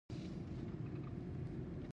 زه د سمارټ کور سیسټم فعالوم.